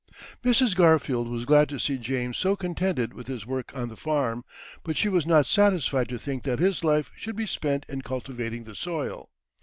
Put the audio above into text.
Mrs. Garfield was glad to see James so contented with his work on the farm, but she was not satisfied to think that his life should be spent in cultivating the soil.